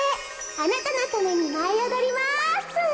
あなたのためにまいおどります！